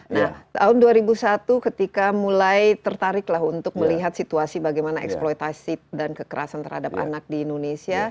nah tahun dua ribu satu ketika mulai tertariklah untuk melihat situasi bagaimana eksploitasi dan kekerasan terhadap anak di indonesia